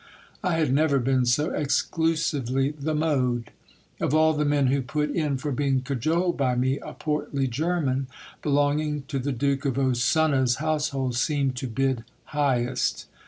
I had never been so exclusively the mode. Of all the men who put in for being cajoled by me, a portly German, belonging to the Duke of Ossuna's household, seemed to bid highest.